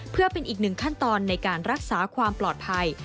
เพื่อเป็นอีกหนึ่งขั้นตอนในการรักษาความปลอดภัย